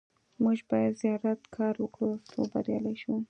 موږ باید زیات کار وکړو څو بریالي شو.